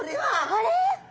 あれ？